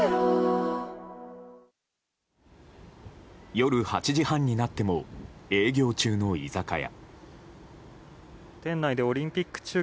夜８時半になっても営業中の居酒屋。